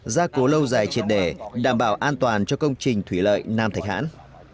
giá cố lâu dài triệt đề đảm bảo an toàn cho công trình thủy lợi nam thạch hãn